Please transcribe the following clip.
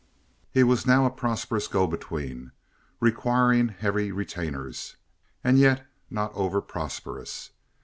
He was now a prosperous go between, requiring heavy retainers, and yet not over prosperous.